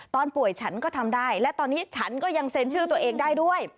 ตอนป่วยฉันก็ทำได้และตอนนี้ฉันก็ยังเซ็นชื่อตัวเองได้ด้วย